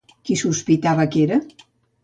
Qui sospitava que era?